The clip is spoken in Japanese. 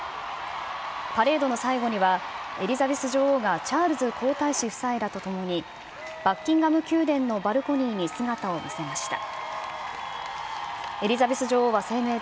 パレードの最後には、エリザベス女王がチャールズ皇太子夫妻らと共に、バッキンガム宮殿のバルコニーに姿を見せました。